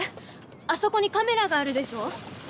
あそこにカメラがあるでしょ？